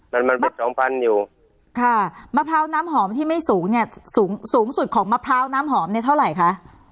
มันมันเป็นสองพันอยู่ค่ะมะพร้าวน้ำหอมที่ไม่สูงเนี่ยสูงสูงสุดของมะพร้าวน้ำหอมเนี่ยเท่าไหร่คะ